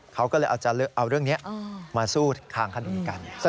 เขาก็เลยเอาเรื่องนี้มาสู้ทางคดีกัน